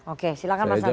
oke silahkan mas anda